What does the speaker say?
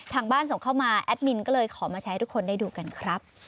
ทางบ้านส่งเข้ามาแอดมินก็เลยขอมาใช้ให้ทุกคนได้ดูกันครับ